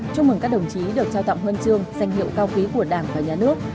chúc mừng các đồng chí được trao tặng huân chương danh hiệu cao quý của đảng và nhà nước